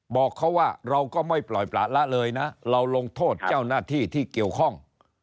บอกเขาว่าเราก็ไม่ปล่อยประละเลยนะเราลงโทษเจ้าหน้าที่ที่เกี่ยวข้อง